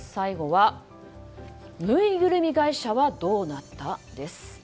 ぬいぐるみ会社はどうなった？です。